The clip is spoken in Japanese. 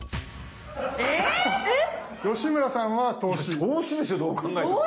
いや投資ですよどう考えても。